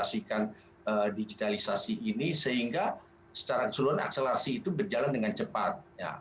jadi sekarang semakin banyak orang ingin mengimplementasikan digitalisasi ini sehingga secara keseluruhan akselerasi itu berjalan dengan cepat